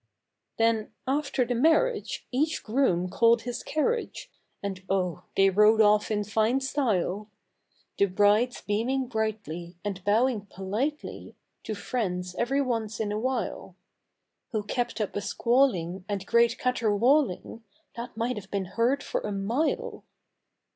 Then, after the marriage, each groom called his carriage, And oh, they rode off in fine style ; The brides beaming brightly, and bowing politely, To friends every once in a while; Who kept up a squalling, and great caterwauling, 1 hat might have been heard for a mile.